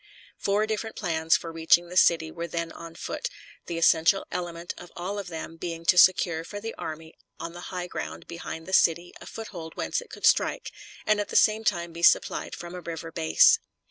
Four different plans for reaching the city were then on foot, the essential element of all of them being to secure for the army on the high ground behind the city a foothold whence it could strike, and at the same time be supplied from a river base.